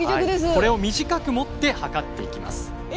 これを短く持って測っていきます。